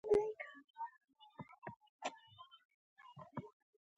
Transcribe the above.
زما د سپینو جامو او دستمال په لیدو.